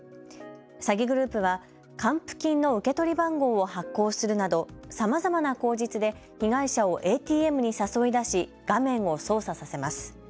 詐欺グループは還付金の受け取り番号を発行するなどさまざまな口実で被害者をＡＴＭに誘い出し画面を操作させます。